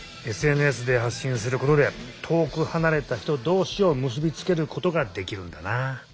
ＳＮＳで発信することで遠くはなれた人どうしをむすびつけることができるんだな。